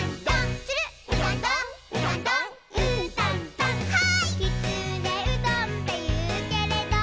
「きつねうどんっていうけれど」